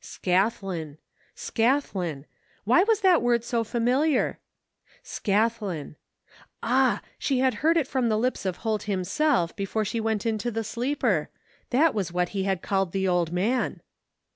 Scathlin! Scathlin! Why was that word so familiar ? Scathlin ! Ah ! She had heard it from the lips of Holt himself, before she went into the sleeper. It was what he had called the old man.